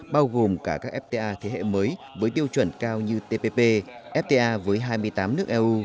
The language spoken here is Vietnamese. bao gồm cả các fta thế hệ mới với tiêu chuẩn cao như tpp fta với hai mươi tám nước eu